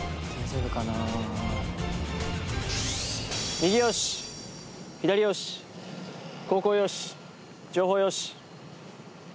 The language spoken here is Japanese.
右よし左よし後方よし上方よし。